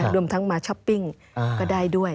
รวมทั้งมาช้อปปิ้งก็ได้ด้วย